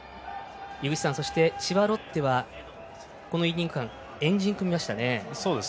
井口さん千葉ロッテは、このイニング間円陣を組みましたね。